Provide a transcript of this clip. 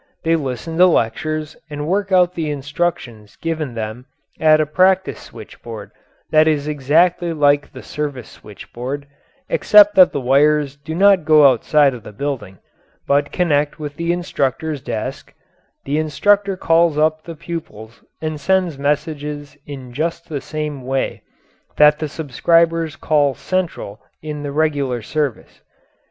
They listen to lectures and work out the instructions given them at a practice switchboard that is exactly like the service switchboard, except that the wires do not go outside of the building, but connect with the instructor's desk; the instructor calls up the pupils and sends messages in just the same way that the subscribers call "central" in the regular service.